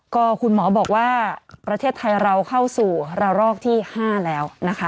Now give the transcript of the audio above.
ก็คุณหมอบอกว่าประเทศไทยเราเข้าสู่ระลอกที่๕แล้วนะคะ